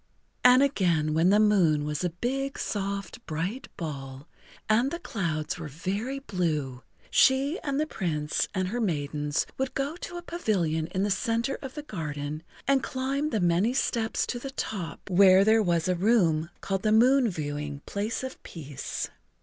And again when the moon was a big, soft, bright ball and the clouds were very blue, she and the Prince and her maidens would go to the pavilion in the center of the garden and climb the many steps to the top, where there was a room called the moon viewing Place of Peace.